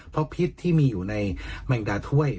เพราะพิษที่มีอยู่ในแมงดาถ้วย